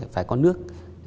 phải có nước